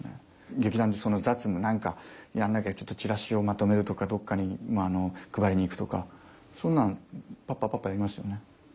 劇団でそんな雑務何かやんなきゃちょっとチラシをまとめるとかどっかに配りに行くとかそんなんぱっぱぱっぱやりますよね。